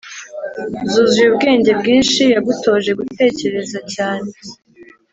zuzuye ubwenge bwinshi yagutoje gutekereza cyane